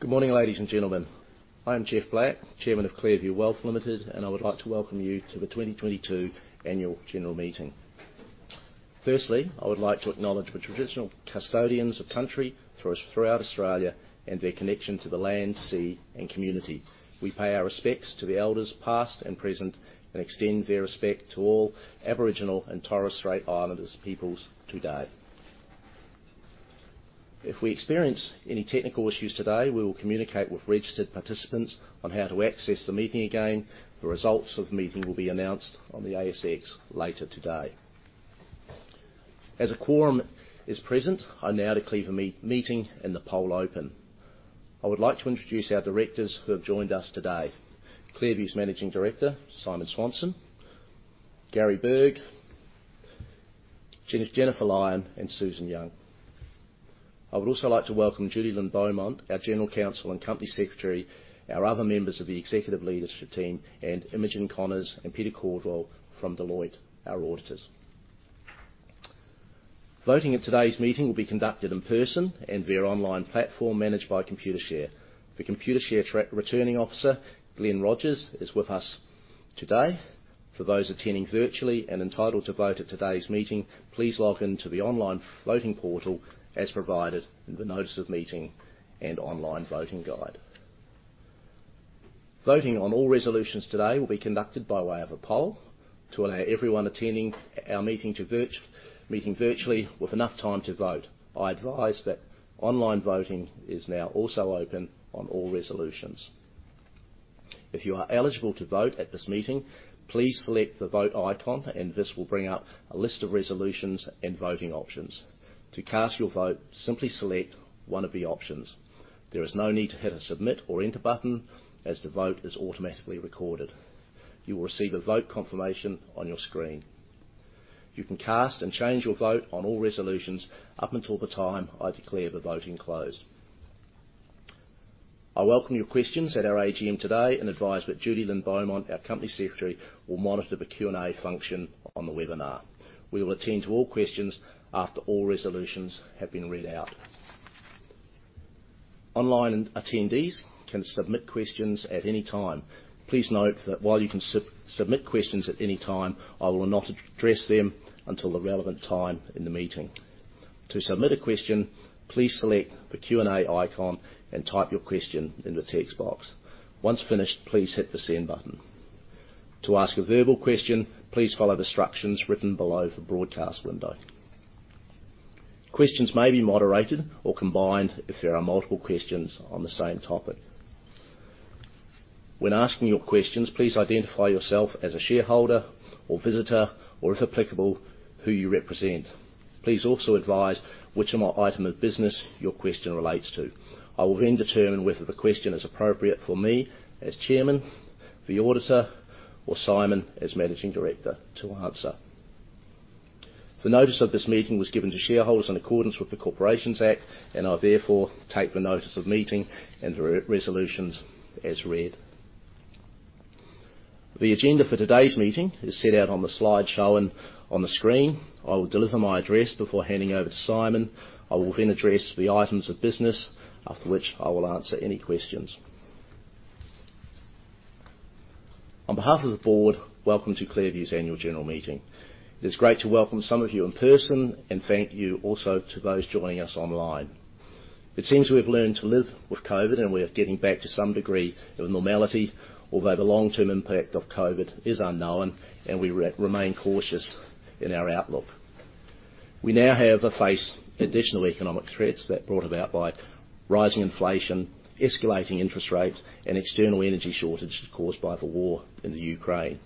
Good morning, ladies and gentlemen. I'm Geoff Black, Chairman of ClearView Wealth Limited, and I would like to welcome you to the 2022 annual general meeting. Firstly, I would like to acknowledge the traditional custodians of country throughout Australia and their connection to the land, sea, and community. We pay our respects to the elders past and present, and extend their respect to all Aboriginal and Torres Strait Islander peoples today. If we experience any technical issues today, we will communicate with registered participants on how to access the meeting again. The results of the meeting will be announced on the ASX later today. As a quorum is present, I now declare the meeting and the poll open. I would like to introduce our directors who have joined us today. ClearView's Managing Director, Simon Swanson, Gary Burg, Jennifer Lyon, and Susan Young. I would also like to welcome Judilyn Beaumont, our General Counsel and Company Secretary, our other members of the executive leadership team, and Imogen Connors and Peter Caldwell from Deloitte, our auditors. Voting at today's meeting will be conducted in person and via our online platform managed by Computershare. The Computershare Returning Officer, Glen Rogers, is with us today. For those attending virtually and entitled to vote at today's meeting, please log in to the online voting portal as provided in the notice of meeting and online voting guide. Voting on all resolutions today will be conducted by way of a poll to allow everyone attending our meeting virtually with enough time to vote. I advise that online voting is now also open on all resolutions. If you are eligible to vote at this meeting, please select the vote icon and this will bring up a list of resolutions and voting options. To cast your vote, simply select one of the options. There is no need to hit a submit or enter button as the vote is automatically recorded. You will receive a vote confirmation on your screen. You can cast and change your vote on all resolutions up until the time I declare the voting closed. I welcome your questions at our AGM today and advise that Judilyn Beaumont, our Company Secretary, will monitor the Q and A function on the webinar. We will attend to all questions after all resolutions have been read out. Online attendees can submit questions at any time. Please note that while you can submit questions at any time, I will not address them until the relevant time in the meeting. To submit a question, please select the Q and A icon and type your question in the text box. Once finished, please hit the send button. To ask a verbal question, please follow the instructions written below the broadcast window. Questions may be moderated or combined if there are multiple questions on the same topic. When asking your questions, please identify yourself as a shareholder or visitor or, if applicable, who you represent. Please also advise which of our item of business your question relates to. I will then determine whether the question is appropriate for me as Chairman, the auditor, or Simon as Managing Director to answer. The notice of this meeting was given to shareholders in accordance with the Corporations Act, and I therefore take the notice of meeting and resolutions as read. The agenda for today's meeting is set out on the slide shown on the screen. I will deliver my address before handing over to Simon. I will then address the items of business, after which I will answer any questions. On behalf of the board, welcome to ClearView's Annual General Meeting. It is great to welcome some of you in person, and thank you also to those joining us online. It seems we've learned to live with COVID, and we are getting back to some degree of normality, although the long-term impact of COVID is unknown, and we remain cautious in our outlook. We now have to face additional economic threats that brought about by rising inflation, escalating interest rates, and external energy shortages caused by the war in the Ukraine.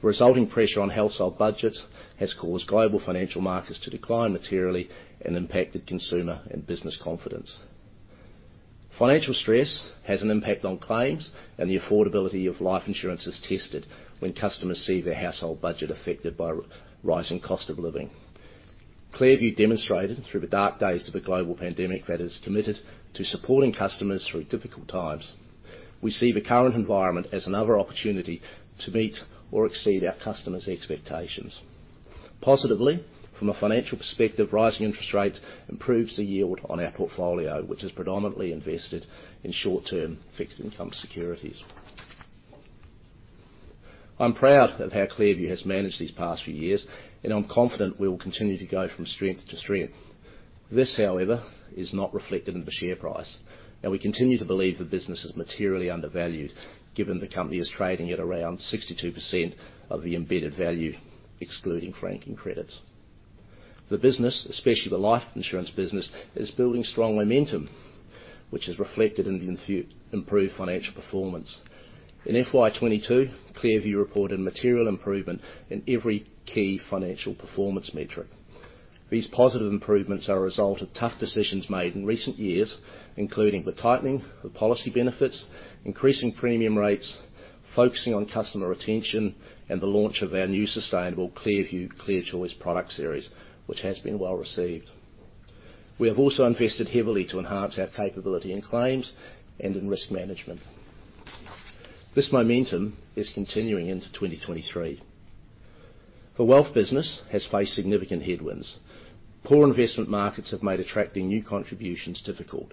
The resulting pressure on household budgets has caused global financial markets to decline materially and impacted consumer and business confidence. Financial stress has an impact on claims, and the affordability of life insurance is tested when customers see their household budget affected by rising cost of living. ClearView demonstrated through the dark days of the global pandemic that it is committed to supporting customers through difficult times. We see the current environment as another opportunity to meet or exceed our customers' expectations. Positively, from a financial perspective, rising interest rates improves the yield on our portfolio, which is predominantly invested in short-term fixed income securities. I'm proud of how ClearView has managed these past few years, and I'm confident we will continue to go from strength to strength. This, however, is not reflected in the share price, and we continue to believe the business is materially undervalued given the company is trading at around 62% of the embedded value, excluding franking credits. The business, especially the life insurance business, is building strong momentum, which is reflected in the improved financial performance. In FY 2022, ClearView reported material improvement in every key financial performance metric. These positive improvements are a result of tough decisions made in recent years, including the tightening of policy benefits, increasing premium rates, focusing on customer retention, and the launch of our new sustainable ClearView ClearChoice product series, which has been well-received. We have also invested heavily to enhance our capability in claims and in risk management. This momentum is continuing into 2023. The wealth business has faced significant headwinds. Poor investment markets have made attracting new contributions difficult.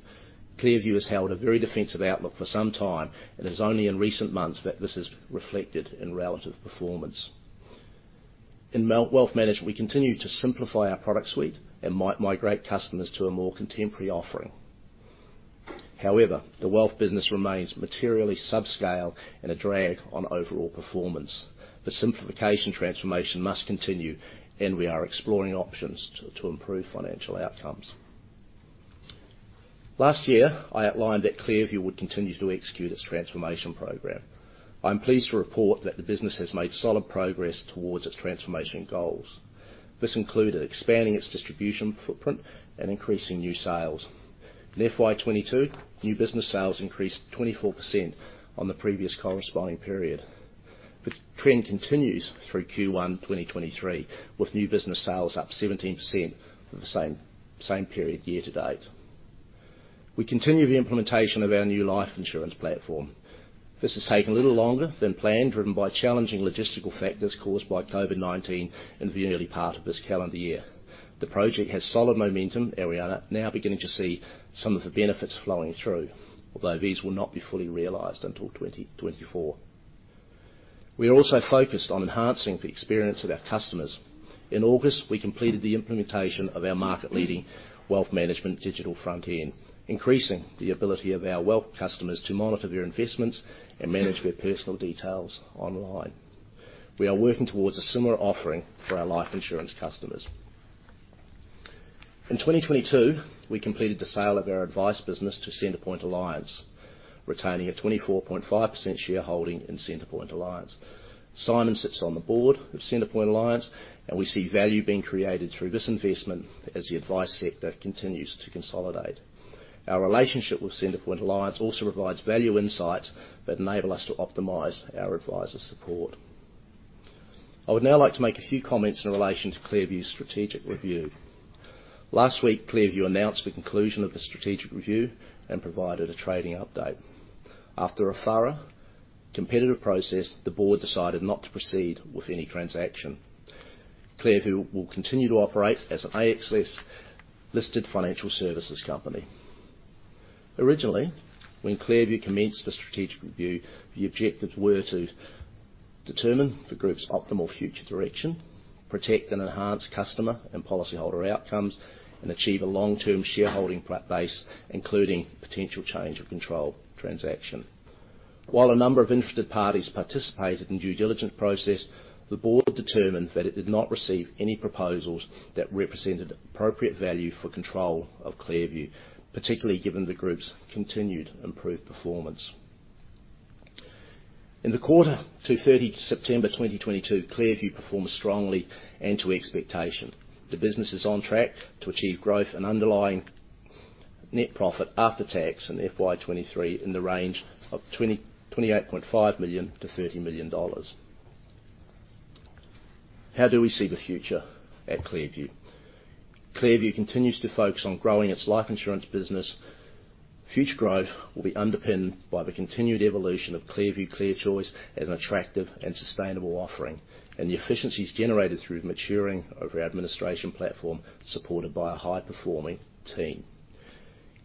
ClearView has held a very defensive outlook for some time, and it's only in recent months that this is reflected in relative performance. In wealth management, we continue to simplify our product suite and migrate customers to a more contemporary offering. However, the wealth business remains materially subscale and a drag on overall performance. The simplification transformation must continue, and we are exploring options to improve financial outcomes. Last year, I outlined that ClearView would continue to execute its transformation program. I'm pleased to report that the business has made solid progress towards its transformation goals. This included expanding its distribution footprint and increasing new sales. In FY 2022, new business sales increased 24% on the previous corresponding period. The trend continues through Q1 2023, with new business sales up 17% for the same period year to date. We continue the implementation of our new life insurance platform. This has taken a little longer than planned, driven by challenging logistical factors caused by COVID-19 in the early part of this calendar year. The project has solid momentum, and we are now beginning to see some of the benefits flowing through, although these will not be fully realized until 2024. We are also focused on enhancing the experience of our customers. In August, we completed the implementation of our market-leading wealth management digital front end, increasing the ability of our wealth customers to monitor their investments and manage their personal details online. We are working towards a similar offering for our life insurance customers. In 2022, we completed the sale of our advice business to Centrepoint Alliance, retaining a 24.5% shareholding in Centrepoint Alliance. Simon sits on the board of Centrepoint Alliance, and we see value being created through this investment as the advice sector continues to consolidate. Our relationship with Centrepoint Alliance also provides value insights that enable us to optimize our advisor support. I would now like to make a few comments in relation to ClearView's strategic review. Last week, ClearView announced the conclusion of the strategic review and provided a trading update. After a thorough competitive process, the board decided not to proceed with any transaction. ClearView will continue to operate as an ASX-listed financial services company. Originally, when ClearView commenced the strategic review, the objectives were to determine the group's optimal future direction, protect and enhance customer and policyholder outcomes, and achieve a long-term shareholding base, including potential change of control transaction. While a number of interested parties participated in due diligence process, the board determined that it did not receive any proposals that represented appropriate value for control of ClearView, particularly given the group's continued improved performance. In the quarter to 30 September 2022, ClearView performed strongly and to expectation. The business is on track to achieve growth and underlying net profit after tax in FY 2023 in the range of 28.5 million-30 million dollars. How do we see the future at ClearView? ClearView continues to focus on growing its life insurance business. Future growth will be underpinned by the continued evolution of ClearView ClearChoice as an attractive and sustainable offering, and the efficiencies generated through maturing of our administration platform, supported by a high-performing team.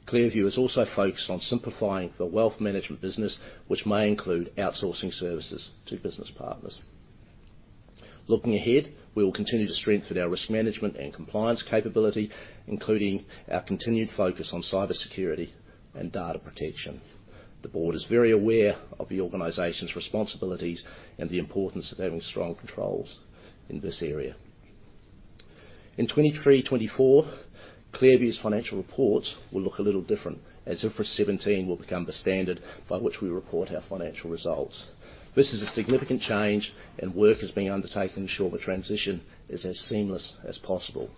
ClearView is also focused on simplifying the wealth management business, which may include outsourcing services to business partners. Looking ahead, we will continue to strengthen our risk management and compliance capability, including our continued focus on cybersecurity and data protection. The board is very aware of the organization's responsibilities and the importance of having strong controls in this area. In 2023-2024, ClearView's financial reports will look a little different as IFRS 17 will become the standard by which we report our financial results. This is a significant change, and work is being undertaken to ensure the transition is as seamless as possible.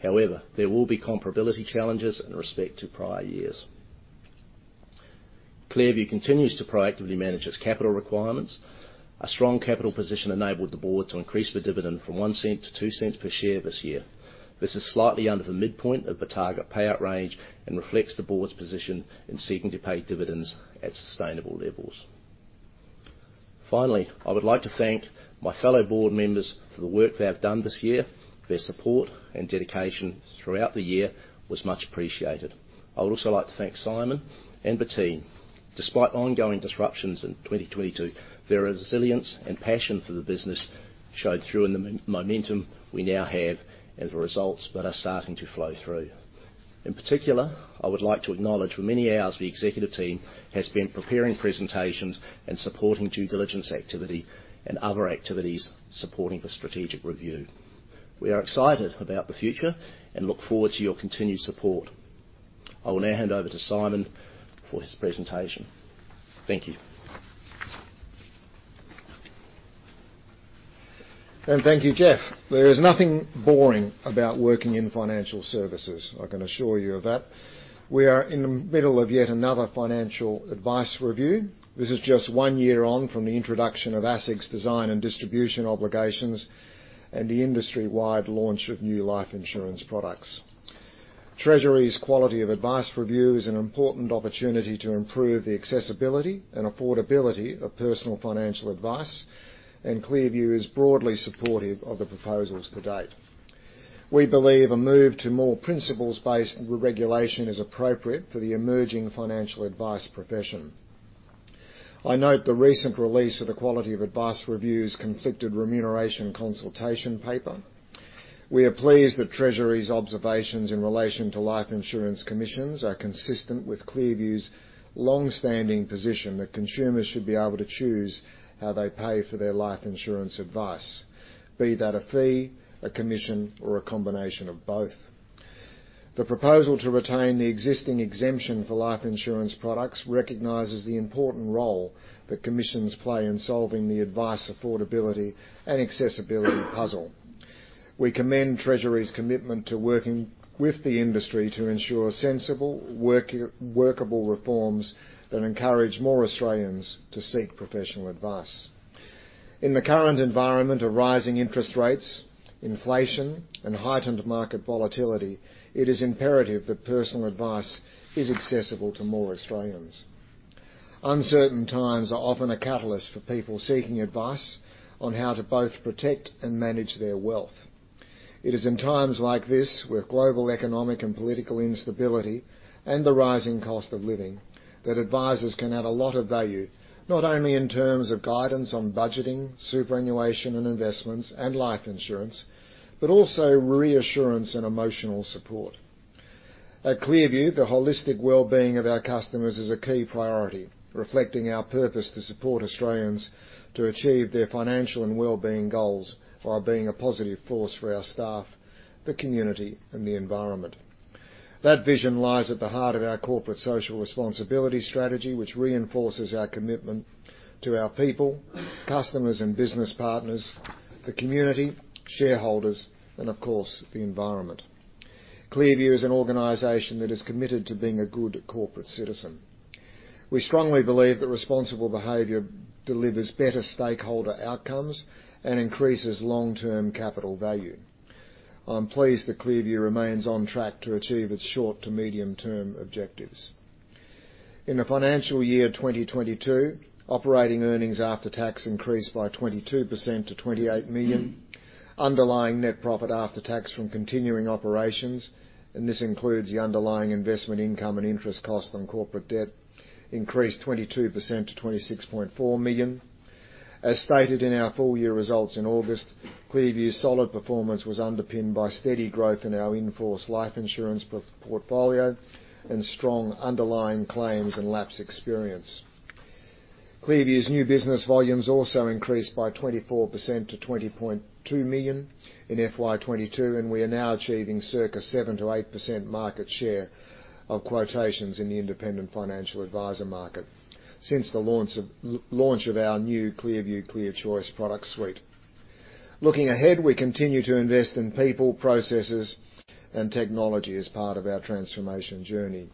However, there will be comparability challenges in respect to prior years. ClearView continues to proactively manage its capital requirements. A strong capital position enabled the board to increase the dividend from 0.01 to 0.02 per share this year. This is slightly under the midpoint of the target payout range and reflects the board's position in seeking to pay dividends at sustainable levels. Finally, I would like to thank my fellow board members for the work they have done this year. Their support and dedication throughout the year was much appreciated. I would also like to thank Simon and the team. Despite ongoing disruptions in 2022, their resilience and passion for the business showed through in the momentum we now have and the results that are starting to flow through. In particular, I would like to acknowledge the many hours the executive team has spent preparing presentations and supporting due diligence activity and other activities supporting the strategic review. We are excited about the future and look forward to your continued support. I will now hand over to Simon for his presentation. Thank you. Thank you, Geoff. There is nothing boring about working in financial services, I can assure you of that. We are in the middle of yet another financial advice review. This is just one year on from the introduction of ASIC’s Design and Distribution Obligations and the industry-wide launch of new life insurance products. Treasury's Quality of Advice Review is an important opportunity to improve the accessibility and affordability of personal financial advice, and ClearView is broadly supportive of the proposals to date. We believe a move to more principles-based regulation is appropriate for the emerging financial advice profession. I note the recent release of the Quality of Advice Review's Conflicted Remuneration Consultation Paper. We are pleased that Treasury's observations in relation to life insurance commissions are consistent with ClearView's long-standing position that consumers should be able to choose how they pay for their life insurance advice, be that a fee, a commission, or a combination of both. The proposal to retain the existing exemption for life insurance products recognizes the important role that commissions play in solving the advice affordability and accessibility puzzle. We commend Treasury's commitment to working with the industry to ensure sensible workable reforms that encourage more Australians to seek professional advice. In the current environment of rising interest rates, inflation, and heightened market volatility, it is imperative that personal advice is accessible to more Australians. Uncertain times are often a catalyst for people seeking advice on how to both protect and manage their wealth. It is in times like this, with global economic and political instability and the rising cost of living, that advisors can add a lot of value, not only in terms of guidance on budgeting, superannuation and investments, and life insurance, but also reassurance and emotional support. At ClearView, the holistic well-being of our customers is a key priority, reflecting our purpose to support Australians to achieve their financial and well-being goals while being a positive force for our staff, the community, and the environment. That vision lies at the heart of our corporate social responsibility strategy, which reinforces our commitment to our people, customers and business partners, the community, shareholders, and of course, the environment. ClearView is an organization that is committed to being a good corporate citizen. We strongly believe that responsible behavior delivers better stakeholder outcomes and increases long-term capital value. I'm pleased that ClearView remains on track to achieve its short to medium-term objectives. In the financial year 2022, operating earnings after tax increased by 22% to 28 million. Underlying net profit after tax from continuing operations, and this includes the underlying investment income and interest costs on corporate debt, increased 22% to 26.4 million. As stated in our full year results in August, ClearView's solid performance was underpinned by steady growth in our in-force life insurance portfolio and strong underlying claims and lapse experience. ClearView's new business volumes also increased by 24% to 20.2 million in FY 2022, and we are now achieving circa 7%-8% market share of quotations in the independent financial advisor market since the launch of our new ClearView ClearChoice product suite. Looking ahead, we continue to invest in people, processes, and technology as part of our transformation journey.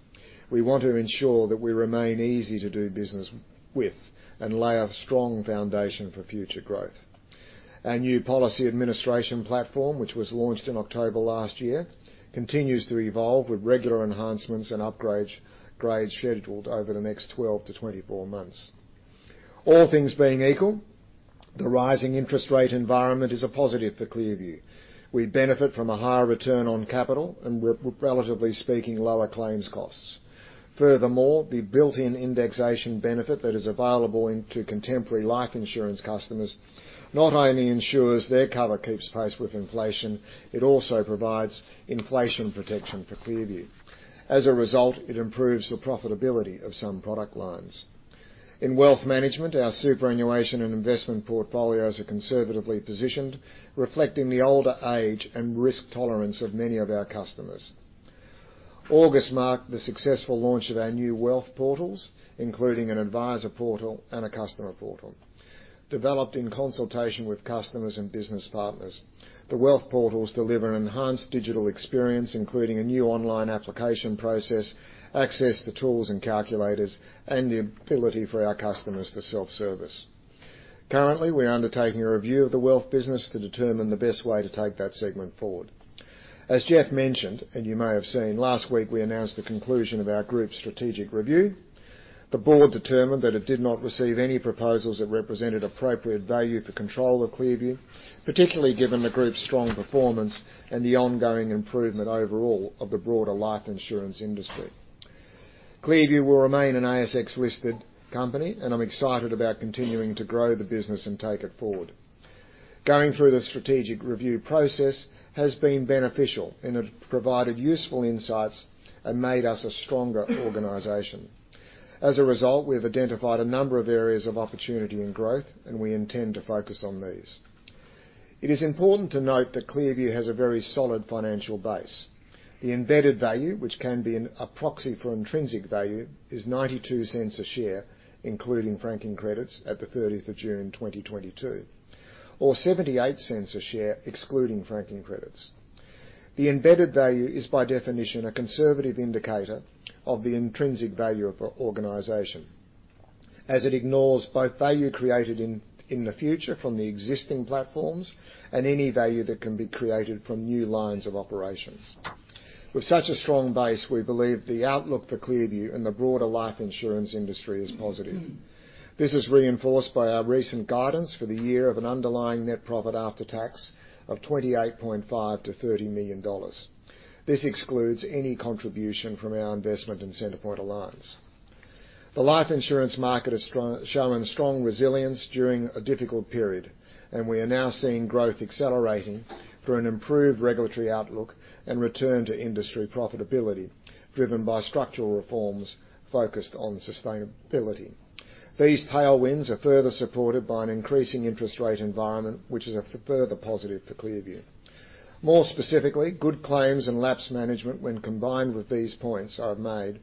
We want to ensure that we remain easy to do business with and lay a strong foundation for future growth. Our new policy administration platform, which was launched in October last year, continues to evolve with regular enhancements and upgrades scheduled over the next 12-24 months. All things being equal, the rising interest rate environment is a positive for ClearView. We benefit from a higher return on capital and with, relatively speaking, lower claims costs. Furthermore, the built-in indexation benefit that is available in to contemporary life insurance customers not only ensures their cover keeps pace with inflation, it also provides inflation protection for ClearView. As a result, it improves the profitability of some product lines. In wealth management, our superannuation and investment portfolios are conservatively positioned, reflecting the older age and risk tolerance of many of our customers. August marked the successful launch of our new wealth portals, including an advisor portal and a customer portal. Developed in consultation with customers and business partners, the wealth portals deliver an enhanced digital experience, including a new online application process, access to tools and calculators, and the ability for our customers to self-service. Currently, we are undertaking a review of the wealth business to determine the best way to take that segment forward. As Geoff mentioned, and you may have seen, last week we announced the conclusion of our group's strategic review. The board determined that it did not receive any proposals that represented appropriate value for control of ClearView, particularly given the group's strong performance and the ongoing improvement overall of the broader life insurance industry. ClearView will remain an ASX-listed company, and I'm excited about continuing to grow the business and take it forward. Going through the strategic review process has been beneficial, and it provided useful insights and made us a stronger organization. As a result, we've identified a number of areas of opportunity and growth, and we intend to focus on these. It is important to note that ClearView has a very solid financial base. The embedded value, which can be a proxy for intrinsic value, is 0.92 a share, including franking credits at the 30th of June 2022, or 0.78 a share excluding franking credits. The embedded value is, by definition, a conservative indicator of the intrinsic value of an organization. As it ignores both value created in the future from the existing platforms and any value that can be created from new lines of operations. With such a strong base, we believe the outlook for ClearView and the broader life insurance industry is positive. This is reinforced by our recent guidance for the year of an underlying net profit after tax of 28.5 million-30 million dollars. This excludes any contribution from our investment in Centrepoint Alliance. The life insurance market has shown strong resilience during a difficult period, and we are now seeing growth accelerating through an improved regulatory outlook and return to industry profitability, driven by structural reforms focused on sustainability. These tailwinds are further supported by an increasing interest rate environment, which is a further positive for ClearView. More specifically, good claims and lapse management, when combined with these points I've made,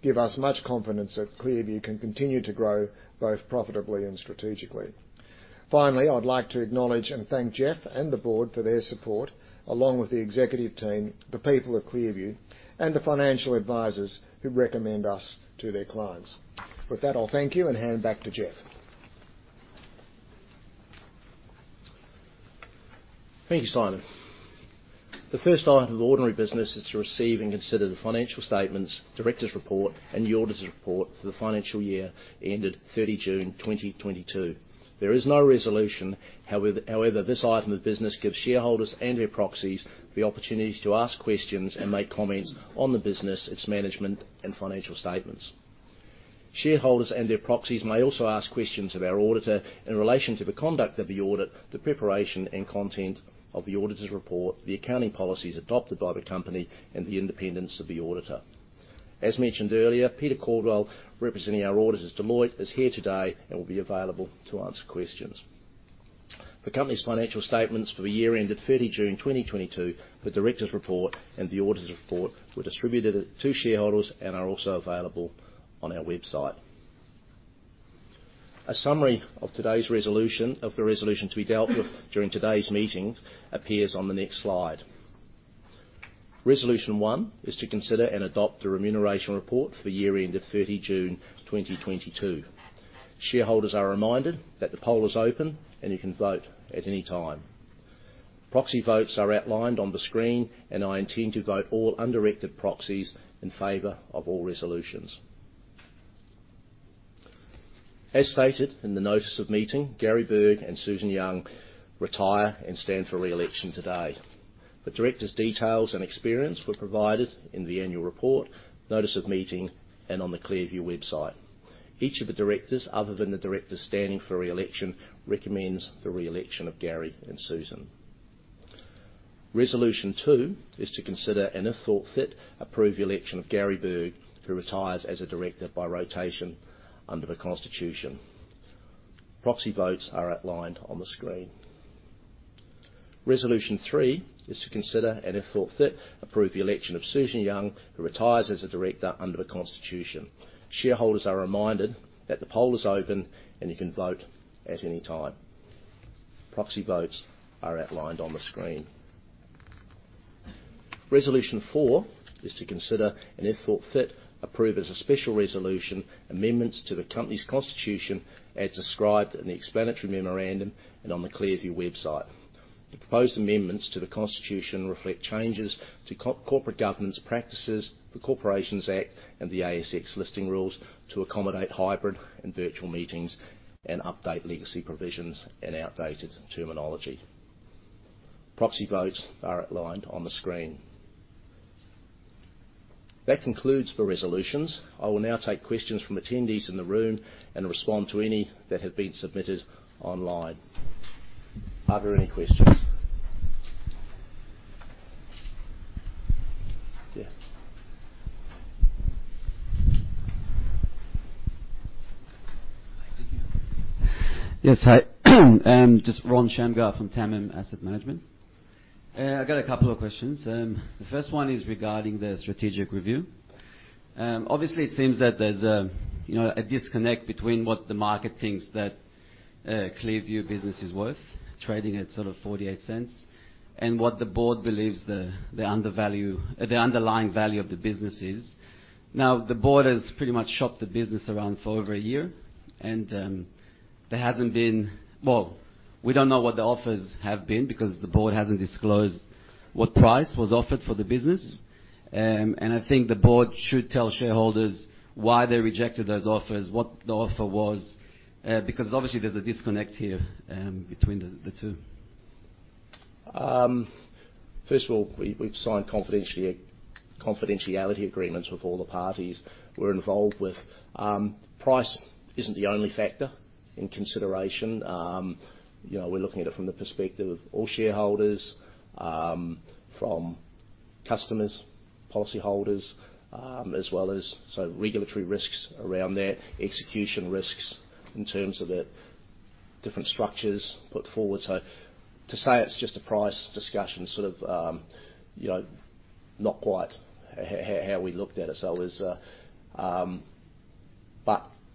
give us much confidence that ClearView can continue to grow both profitably and strategically. Finally, I'd like to acknowledge and thank Geoff and the board for their support, along with the executive team, the people of ClearView, and the financial advisors who recommend us to their clients. With that, I'll thank you and hand it back to Geoff. Thank you, Simon. The first item of ordinary business is to receive and consider the financial statements, directors' report, and the auditors' report for the financial year ended 30th June 2022. There is no resolution, however, this item of business gives shareholders and their proxies the opportunities to ask questions and make comments on the business, its management, and financial statements. Shareholders and their proxies may also ask questions of our auditor in relation to the conduct of the audit, the preparation and content of the auditor's report, the accounting policies adopted by the company, and the independence of the auditor. As mentioned earlier, Peter Caldwell, representing our auditors, Deloitte, is here today and will be available to answer questions. The company's financial statements for the year ended 30th June 2022, the directors' report, and the auditors' report were distributed to shareholders and are also available on our website. A summary of the resolutions to be dealt with during today's meeting appears on the next slide. Resolution one is to consider and adopt the remuneration report for the year ended 30 June 2022. Shareholders are reminded that the poll is open, and you can vote at any time. Proxy votes are outlined on the screen, and I intend to vote all undirected proxies in favor of all resolutions. As stated in the notice of meeting, Gary Burg and Susan Young retire and stand for re-election today. The directors' details and experience were provided in the annual report, notice of meeting, and on the ClearView website. Each of the directors, other than the directors standing for re-election, recommends the re-election of Gary and Susan. Resolution two is to consider, and if thought fit, approve the election of Gary Burg, who retires as a director by rotation under the constitution. Proxy votes are outlined on the screen. Resolution three is to consider, and if thought fit, approve the election of Susan Young, who retires as a director under the constitution. Shareholders are reminded that the poll is open, and you can vote at any time. Proxy votes are outlined on the screen. Resolution four is to consider, and if thought fit, approve as a special resolution, amendments to the company's constitution as described in the explanatory memorandum and on the ClearView website. The proposed amendments to the constitution reflect changes to corporate governance practices, the Corporations Act, and the ASX Listing Rules to accommodate hybrid and virtual meetings and update legacy provisions and outdated terminology. Proxy votes are outlined on the screen. That concludes the resolutions. I will now take questions from attendees in the room and respond to any that have been submitted online. Are there any questions? Yeah. Yes. Hi. Ron Shamgar from TAMIM Asset Management. I got a couple of questions. The first one is regarding the strategic review. Obviously it seems that there's a, you know, a disconnect between what the market thinks that, ClearView business is worth, trading at sort of 0.48, and what the board believes the underlying value of the business is. Now, the board has pretty much shopped the business around for over a year, and there hasn't been. Well, we don't know what the offers have been because the board hasn't disclosed what price was offered for the business. I think the board should tell shareholders why they rejected those offers, what the offer was, because obviously there's a disconnect here, between the two. First of all, we've signed confidentiality agreements with all the parties we're involved with. Price isn't the only factor in consideration. You know, we're looking at it from the perspective of all shareholders, from customers, policyholders, as well as so regulatory risks around that, execution risks in terms of the different structures put forward. To say it's just a price discussion, sort of, you know, not quite how we looked at it. There's a.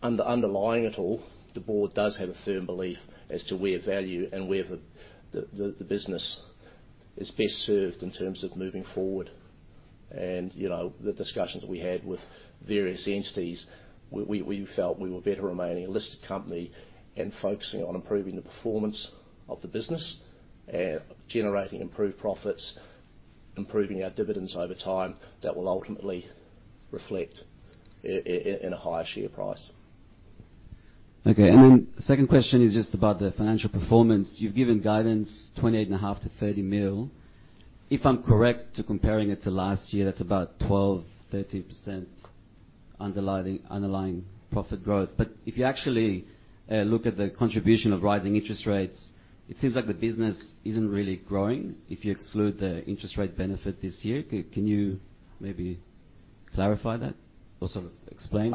Underlying it all, the board does have a firm belief as to where value and where the business is best served in terms of moving forward. You know, the discussions we had with various entities, we felt we were better remaining a listed company and focusing on improving the performance of the business, generating improved profits, improving our dividends over time, that will ultimately reflect in a higher share price. Okay. Then second question is just about the financial performance. You've given guidance, 28.5 million-30 million. If I'm correct to comparing it to last year, that's about 12%-13% underlying profit growth. If you actually look at the contribution of rising interest rates, it seems like the business isn't really growing, if you exclude the interest rate benefit this year. Can you maybe clarify that or sort of explain?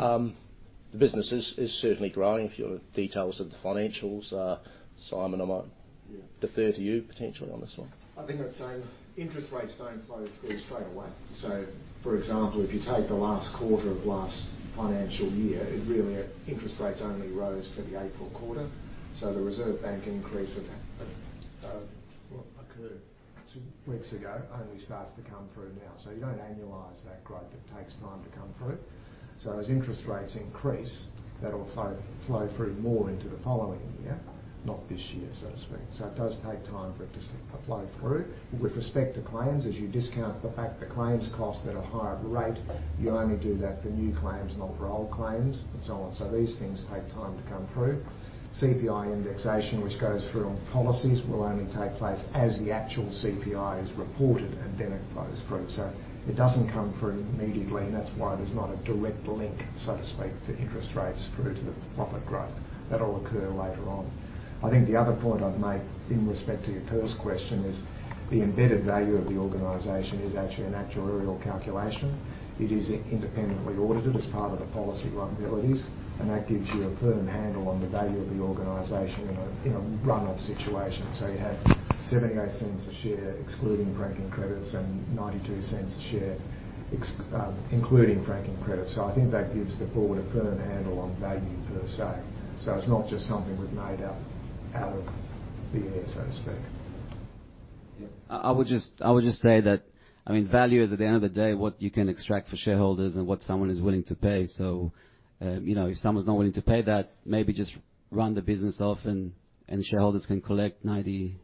The business is certainly growing. If you want details of the financials, Simon, I might- Yeah. Defer to you potentially on this one. I think I'd say interest rates don't flow through straight away. For example, if you take the last quarter of last financial year, really our interest rates only rose for the April quarter. The Reserve Bank increase of what occurred two weeks ago only starts to come through now. You don't annualize that growth. It takes time to come through. As interest rates increase, that'll flow through more into the following year, not this year, so to speak. It does take time for it to flow through. With respect to claims, as you discount the fact the claims cost at a higher rate, you only do that for new claims, not for old claims and so on. These things take time to come through. CPI indexation, which goes through on policies, will only take place as the actual CPI is reported and then it flows through. It doesn't come through immediately, and that's why there's not a direct link, so to speak, to interest rates through to the profit growth. That'll occur later on. I think the other point I'd make in respect to your first question is the embedded value of the organization is actually an actuarial calculation. It is independently audited as part of the policy liabilities, and that gives you a firm handle on the value of the organization in a runoff situation. You have 0.78 a share excluding franking credits and 0.92 a share including franking credits. I think that gives the board a firm handle on value per se. It's not just something we've made up out of the air, so to speak. Yeah. I would just say that, I mean, value is at the end of the day what you can extract for shareholders and what someone is willing to pay. You know, if someone's not willing to pay that, maybe just run the business off and shareholders can collect 0.93.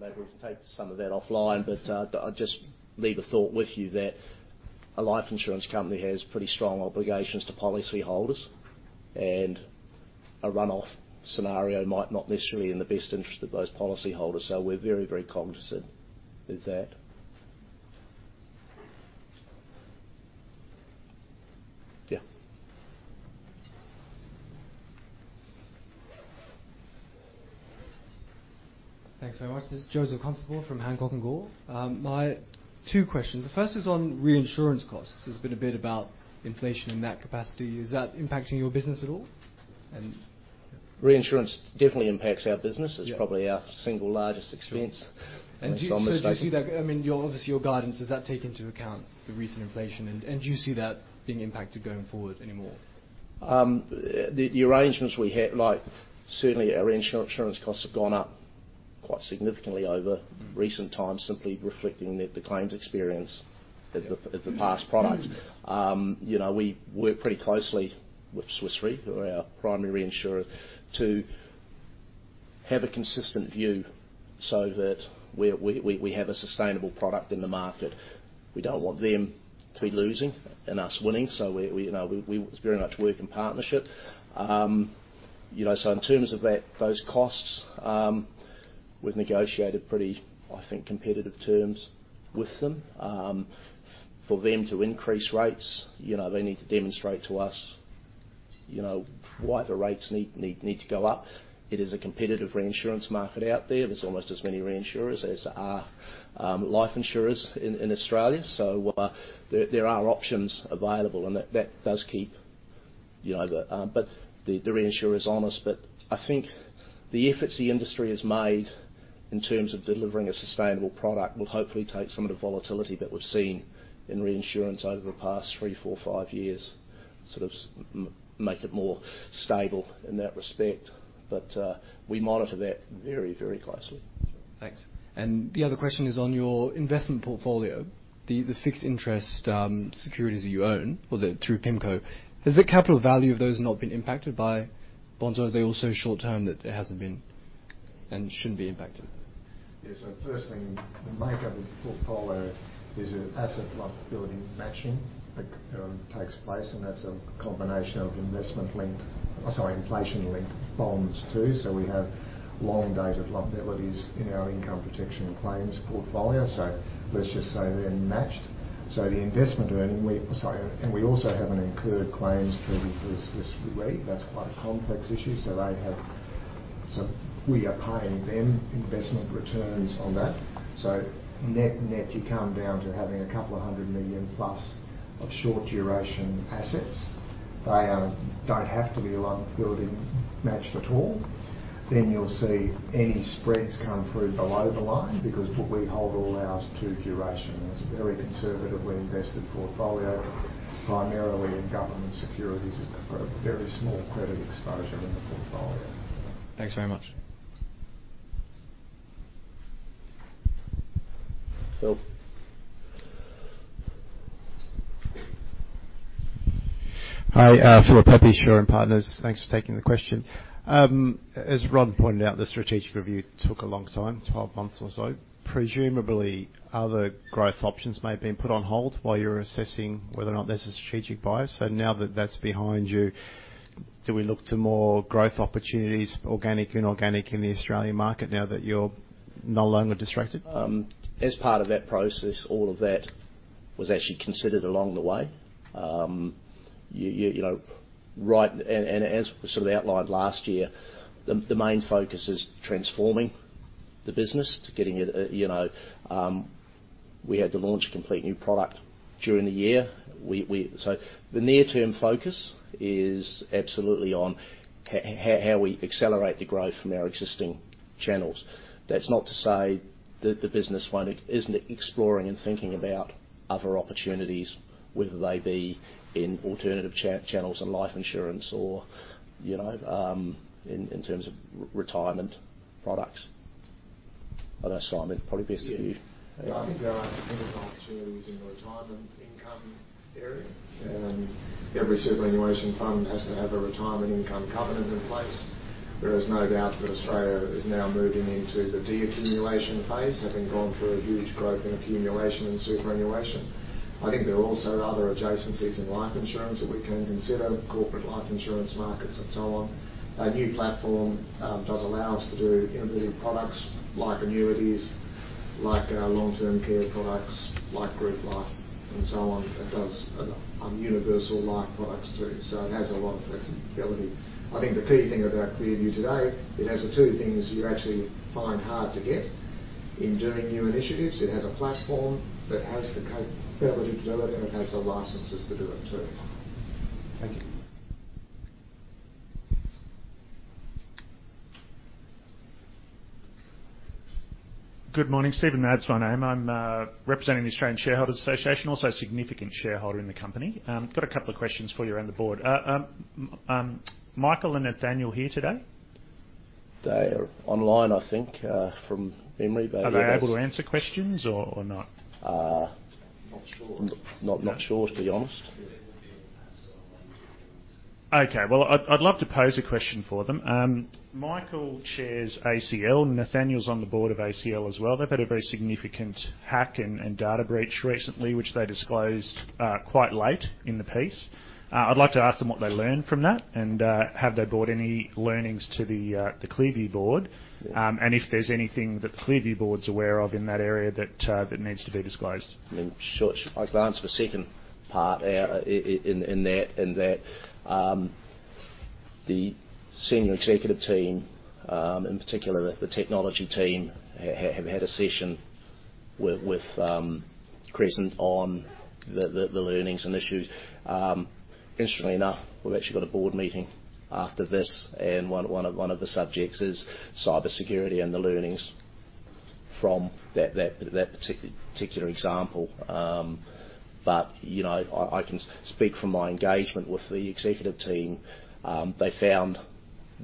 Maybe we can take some of that offline, but I'd just leave a thought with you that a life insurance company has pretty strong obligations to policyholders, and a runoff scenario might not necessarily be in the best interest of those policyholders. We're very, very cognizant with that. Yeah. Thanks very much. This is Joseph Constable from Hancock & Gore. My two questions, the first is on reinsurance costs. There's been a bit about inflation in that capacity. Is that impacting your business at all? Reinsurance definitely impacts our business. Yeah. It's probably our single largest expense, if I'm not mistaken. Do you see that? I mean, obviously, your guidance. Does that take into account the recent inflation? Do you see that being impacted going forward anymore? The arrangements we have, like certainly our insurance costs have gone up quite significantly over recent times, simply reflecting the claims experience of the past product. You know, we work pretty closely with Swiss Re, who are our primary insurer, to have a consistent view so that we have a sustainable product in the market. We don't want them to be losing and us winning, so we very much work in partnership. You know, so in terms of that, those costs, we've negotiated pretty, I think, competitive terms with them. For them to increase rates, you know, they need to demonstrate to us, you know, why the rates need to go up. It is a competitive reinsurance market out there. There's almost as many reinsurers as there are life insurers in Australia. There are options available and that does keep, you know, the reinsurers honest. I think the efforts the industry has made in terms of delivering a sustainable product will hopefully take some of the volatility that we've seen in reinsurance over the past three, four, five years, sort of make it more stable in that respect. We monitor that very closely. Thanks. The other question is on your investment portfolio, the fixed interest securities you own or through PIMCO, has the capital value of those not been impacted by bonds? Or are they all so short term that it hasn't been and shouldn't be impacted? Yeah. First thing, the makeup of the portfolio is an asset liability matching that takes place, and that's a combination of inflation-linked bonds too. We have long dated liabilities in our income protection claims portfolio. Let's just say they're matched. We also have an incurred claims treaty with Swiss Re. That's quite a complex issue. We are paying them investment returns on that. Net-net, you come down to having AUD a couple of hundred million plus of short duration assets. They don't have to be liability matched at all. You'll see any spreads come through below the line because we hold all ours to duration, and it's a very conservatively invested portfolio, primarily in government securities. There's a very small credit exposure in the portfolio. Thanks very much. Philip. Hi, Philip Pepe, Shaw and Partners. Thanks for taking the question. As Ron pointed out, the strategic review took a long time, 12 months or so. Presumably, other growth options may have been put on hold while you're assessing whether or not there's a strategic buyer. Now that that's behind you, do we look to more growth opportunities, organic, inorganic, in the Australian market now that you're no longer distracted? As part of that process, all of that was actually considered along the way. You know, right, and as sort of outlined last year, the main focus is transforming the business to getting it, we had to launch a complete new product during the year. The near term focus is absolutely on how we accelerate the growth from our existing channels. That's not to say that the business won't, isn't exploring and thinking about other opportunities, whether they be in alternative channels and life insurance or, you know, in terms of retirement products. I know Simon probably best for you. Yeah. I think there are significant opportunities in the retirement income area, and every superannuation fund has to have a Retirement Income Covenant in place. There is no doubt that Australia is now moving into the deaccumulation phase, having gone through a huge growth in accumulation and superannuation. I think there are also other adjacencies in life insurance that we can consider, corporate life insurance markets and so on. A new platform does allow us to do innovative products like annuities, like our long-term care products, like group life and so on. It does universal life products too. So it has a lot of flexibility. I think the key thing about ClearView today, it has the two things you actually find hard to get in doing new initiatives. It has a platform that has the capability to do it, and it has the licenses to do it too. Thank you. Good morning. Stephen Mayne my name. I'm representing the Australian Shareholders' Association, also a significant shareholder in the company. Got a couple of questions for you around the board. Are Michael and Nathaniel here today? They are online, I think, from memory. Are they able to answer questions or not? Uh- Not sure. Not sure, to be honest. They will be able to answer online if you. Okay. Well, I'd love to pose a question for them. Michael chairs ACL. Nathaniel's on the board of ACL as well. They've had a very significant hack and data breach recently, which they disclosed quite late in the piece. I'd like to ask them what they learned from that and have they brought any learnings to the ClearView board? If there's anything that the ClearView board's aware of in that area that needs to be disclosed. Sure. I can answer the second part, in that the senior executive team, in particular the technology team have had a session with Crescent on the learnings and issues. Interestingly enough, we've actually got a board meeting after this, and one of the subjects is cybersecurity and the learnings from that particular example. You know, I can speak from my engagement with the executive team. They found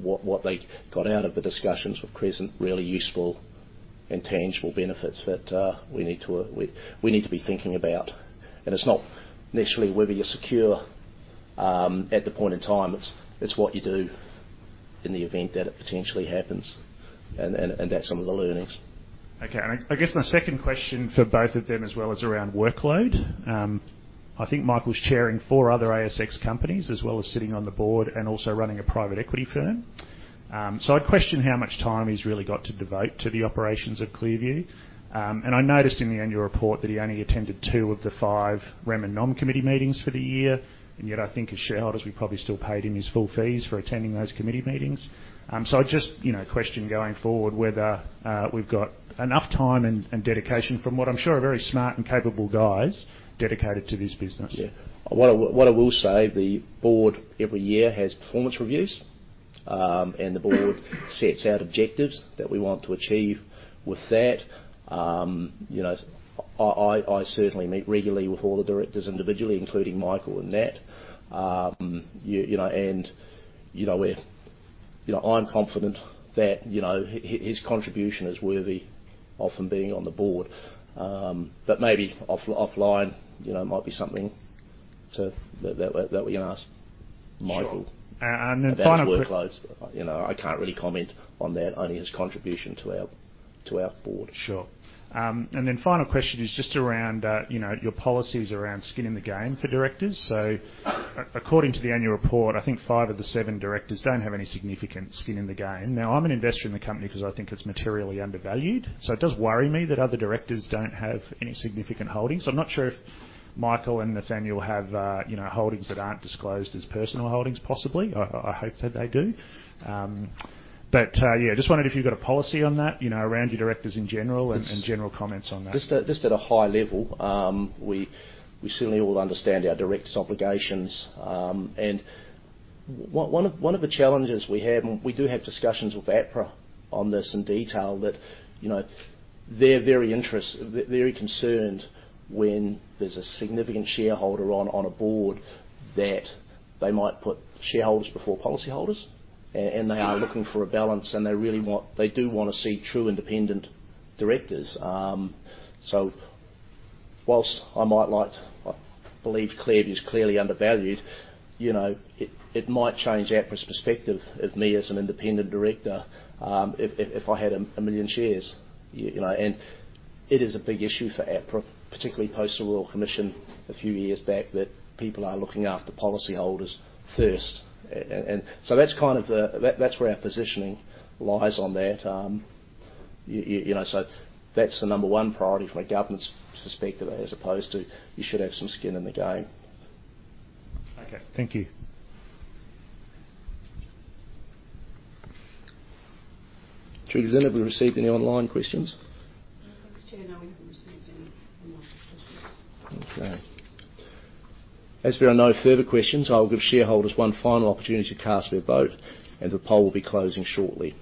what they got out of the discussions with Crescent really useful and tangible benefits that we need to be thinking about. It's not necessarily whether you're secure at the point in time. It's what you do in the event that it potentially happens. That's some of the learnings. Okay. I guess my second question for both of them as well is around workload. I think Michael's chairing four other ASX companies as well as sitting on the board and also running a private equity firm. So I question how much time he's really got to devote to the operations at ClearView. I noticed in the annual report that he only attended two of the five Rem and Nom committee meetings for the year, and yet I think as shareholders, we probably still paid him his full fees for attending those committee meetings. So I just, you know, question going forward whether we've got enough time and dedication from what I'm sure are very smart and capable guys dedicated to this business. Yeah. What I will say, the board every year has performance reviews, and the board sets out objectives that we want to achieve with that. You know, I certainly meet regularly with all the directors individually, including Michael and Nathaniel. You know, I'm confident that, you know, his contribution is worthy of him being on the board. But maybe offline, you know, might be something that we can ask Michael. Sure. About workloads. You know, I can't really comment on that, only his contribution to our board. Sure. Final question is just around, you know, your policies around skin in the game for directors. According to the annual report, I think five of the seven directors don't have any significant skin in the game. Now, I'm an investor in the company because I think it's materially undervalued, so it does worry me that other directors don't have any significant holdings. I'm not sure if Michael and Nathaniel have, you know, holdings that aren't disclosed as personal holdings, possibly. I hope that they do. Yeah, just wondering if you've got a policy on that, you know, around your directors in general and some general comments on that. Just at a high level, we certainly all understand our directors' obligations. One of the challenges we have, and we do have discussions with APRA on this in detail that, you know, they're very concerned when there's a significant shareholder on a board that they might put shareholders before policyholders. They are looking for a balance, and they do wanna see true independent directors. Whilst I might believe ClearView's clearly undervalued, you know, it might change APRA's perspective of me as an independent director, if I had a million shares. You know, it is a big issue for APRA, particularly post a Royal Commission a few years back, that people are looking after policyholders first. That's kind of that's where our positioning lies on that. You know, that's the number one priority from a government's perspective as opposed to you should have some skin in the game. Okay. Thank you. Judilyn, have we received any online questions? Thanks, Chair. No, we haven't received any online questions. Okay. As there are no further questions, I will give shareholders one final opportunity to cast their vote, and the poll will be closing shortly.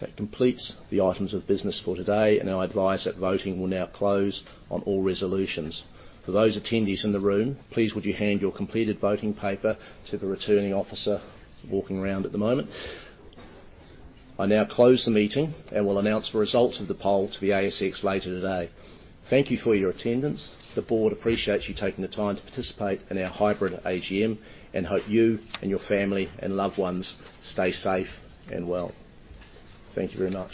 That completes the items of business for today, and I advise that voting will now close on all resolutions. For those attendees in the room, please would you hand your completed voting paper to the returning officer walking around at the moment. I now close the meeting and will announce the results of the poll to the ASX later today. Thank you for your attendance. The board appreciates you taking the time to participate in our hybrid AGM and hope you and your family and loved ones stay safe and well. Thank you very much.